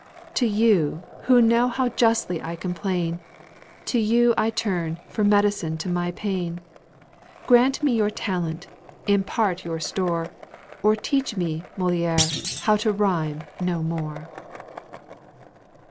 To you, who know how justly I complain, To you I turn for medicine to my pain! Grant me your talent, and impart your store, Or teach me, Molière, how to rhyme no more.